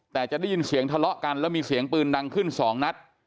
แต่จะได้ยินเสียงทะเลาะกันแล้วมีเสียงปืนดังขึ้นสองนัด